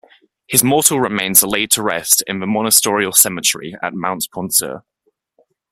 His mortal remains are laid to rest in the Monastorial Cemetery at Mount Poinsur.